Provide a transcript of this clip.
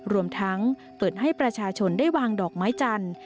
รวมทั้งเปิดให้ประชาชนได้วางดอกไม้จันทร์